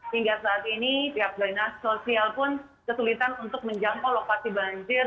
hingga saat ini pihak dinas sosial pun kesulitan untuk menjangkau lokasi banjir